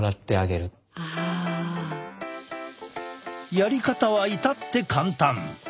やり方は至って簡単！